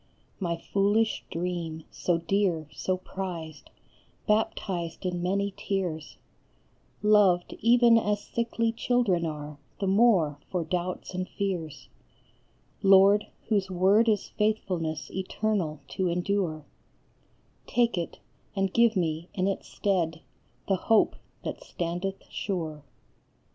7 AT THE ALTAR. My foolish dream, so dear, so prized, baptized in many tears, Loved even as sickly children are, the more for doubts and fears, Lord, whose word is faithfulness eternal to endure, Take it ; and give me, in its stead, the Hope that standeth sure.